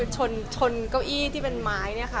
ชนเก้าอี้ที่เป็นไม้เนี่ยค่ะ